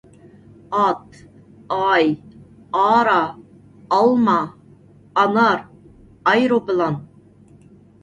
ئات، ئاي، ئارا، ئالما، ئانار، ئايروپىلان.